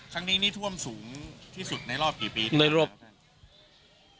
ครั้งนี้นี้ถั่วมสูงที่สุดไหมในรอบกี่ปี